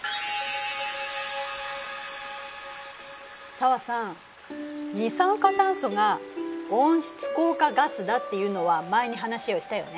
紗和さん二酸化炭素が温室効果ガスだっていうのは前に話をしたよね。